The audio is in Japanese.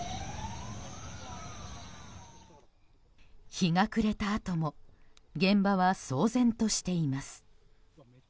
日が暮れたあとも現場は騒然としています。